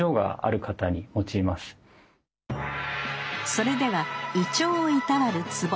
それでは胃腸をいたわるツボ